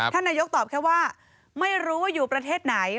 ท่านนายกตอบแค่ว่าไม่รู้ว่าอยู่ประเทศไหน